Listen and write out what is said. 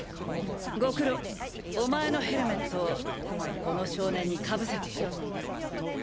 ご苦労お前のヘルメットをこの少年に被せてやれ。